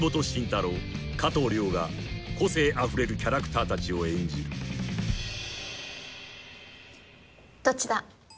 加藤諒が個性あふれるキャラクターたちを演じる］どっちだ。